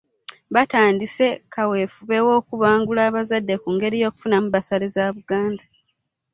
Batandise kaweefube w'okubangula abazadde ku ngeri y'okufunamu bbasale za Buganda.